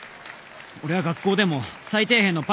俺は学校でも最底辺のパンピー